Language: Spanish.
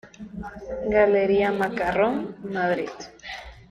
Galería Macarrón, Madrid.